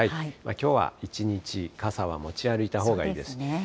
きょうは一日、傘は持ち歩いたほうがいいです。